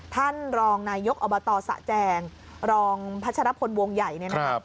ท่านรองนายกอบตสะแจงรองพัชรพลวงใหญ่เนี่ยนะครับ